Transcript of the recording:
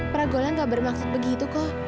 pragola tidak bermaksud begitu